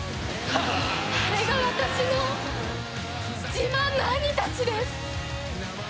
あれが私の自慢の兄たちです。